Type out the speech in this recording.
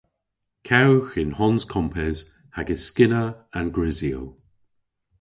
Kewgh yn hons kompes hag yskynna an grisyow.